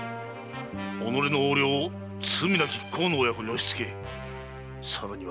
己の横領を罪なき河野親子に押しつけさらには数々の殺生！